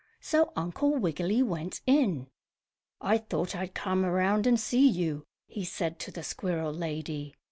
So Uncle Wiggily went in. "I thought I'd come around and see you," he said to the squirrel lady.